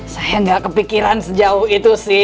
saya nggak kepikiran sejauh itu sih